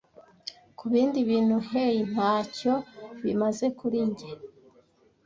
kubindi bintu hey ntacyo bimaze kuri njye